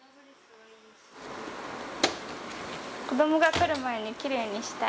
子どもが来る前にきれいにしたい。